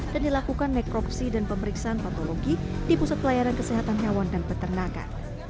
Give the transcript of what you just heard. dan dilakukan nekroksi dan pemeriksaan patologi di pusat pelayaran kesehatan hewan dan peternakan